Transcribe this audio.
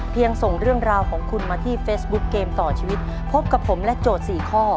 ปี๊กเป็นคนรักซื้อขวดเหรอฮะอืม